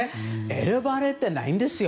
選ばれてないんですよ。